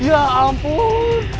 ya alam puuut